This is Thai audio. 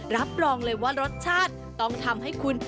รับรองเลยว่ารสชาติต้องทำให้คุณ